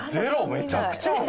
めちゃくちゃ多いな。